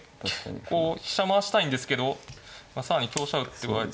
こう飛車回したいんですけど更に香車打ってこられて。